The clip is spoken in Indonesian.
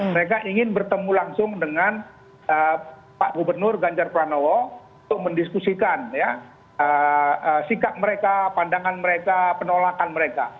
mereka ingin bertemu langsung dengan pak gubernur ganjar pranowo untuk mendiskusikan sikap mereka pandangan mereka penolakan mereka